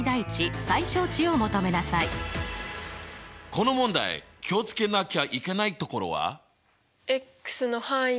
この問題気を付けなきゃいけないところは？